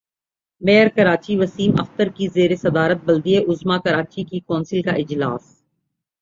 mayor Karachi Wasim Akhtar کی زیر صدارت بلدیہ عظمی کراچی کی کونسل کا اجلاس